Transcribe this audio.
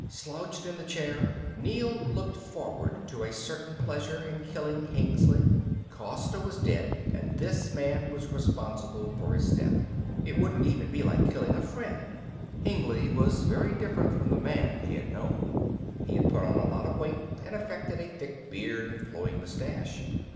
Slouched in the chair Neel looked forward to a certain pleasure in killing Hengly. Costa was dead, and this man was responsible for his death. It wouldn't even be like killing a friend, Hengly was very different from the man he had known. He had put on a lot of weight and affected a thick beard and flowing mustache.